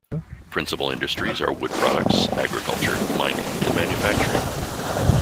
Principal industries are wood products, agriculture, mining, and manufacturing.